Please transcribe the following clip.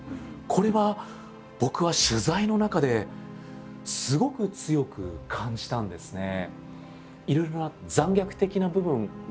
これは僕は取材の中ですごく強く感じたんですね。